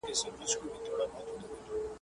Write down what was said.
پر هر ځای چي ټولۍ وینی د پوهانو.